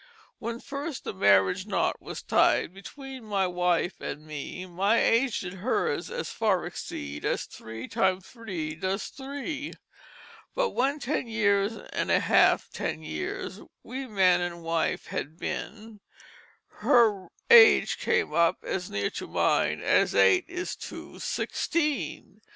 "When first the Marriage Knot was tied Between my Wife and Me My age did hers as far exceed As three times three does three. But when Ten years and half ten Years We man and wife had been Her age came up as near to mine As eight is to sixteen.